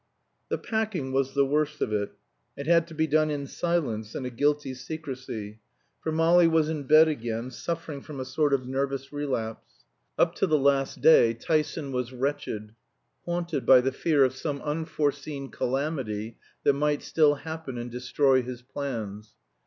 The packing was the worst of it. It had to be done in silence and a guilty secrecy, for Molly was in bed again, suffering from a sort of nervous relapse. Up to the last day Tyson was wretched, haunted by the fear of some unforeseen calamity that might still happen and destroy his plans.